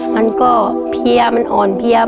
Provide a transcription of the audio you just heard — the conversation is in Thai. มันก็เพียมันอ่อนเพลีย